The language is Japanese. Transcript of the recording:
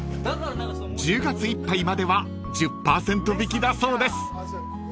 ［１０月いっぱいまでは１０％引きだそうです］